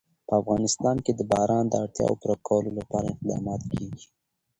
په افغانستان کې د باران د اړتیاوو پوره کولو لپاره اقدامات کېږي.